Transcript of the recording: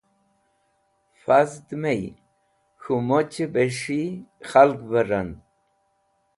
Fazd mey k̃hũ mochẽ bes̃hi kẽlavẽr rand.